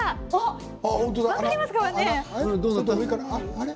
あれ？